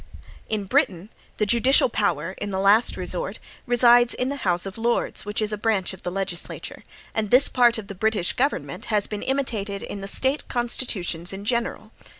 In Britain, the judicial power, in the last resort, resides in the House of Lords, which is a branch of the legislature; and this part of the British government has been imitated in the State constitutions in general.